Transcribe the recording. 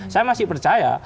saya masih percaya